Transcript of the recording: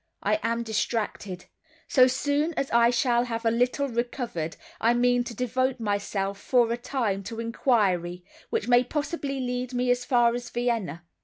I am distracted. So soon as I shall have a little recovered, I mean to devote myself for a time to enquiry, which may possibly lead me as far as Vienna.